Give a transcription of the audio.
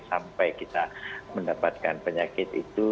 sampai kita mendapatkan penyakit itu